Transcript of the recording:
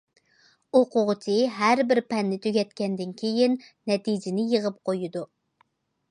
ئوقۇغۇچى ھەر بىر پەننى تۈگەتكەندىن كېيىن، نەتىجىنى يىغىپ قويىدۇ.